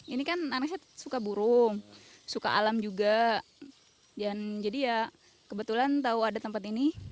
ini kan anaknya suka burung suka alam juga jadi ya kebetulan tahu ada tempat ini